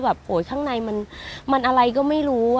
โหทางในอะไรก็ไม่รู้